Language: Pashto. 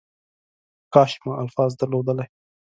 کاش ما الفاظ درلودلی .